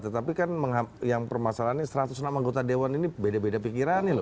tetapi kan yang permasalahannya seratus nama anggota dewan ini beda beda pikirannya loh